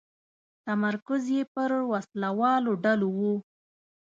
تمرکز یې پر وسله والو ډلو و.